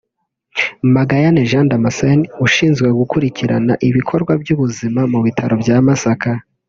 Magayane Jean Damascène ushinzwe gukurikirana Ibikorwa by’Ubuzima mu Bitaro bya Masaka